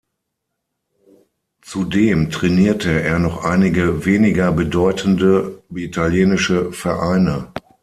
Zudem trainierte er noch einige weniger bedeutenden italienische Vereine.